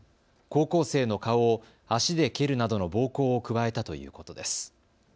高校生の顔を足で蹴るなどの暴行を加えたということです。